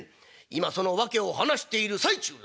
「今その訳を話している最中だ。